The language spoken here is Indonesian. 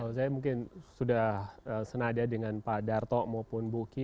kalau saya mungkin sudah senada dengan pak darto maupun buki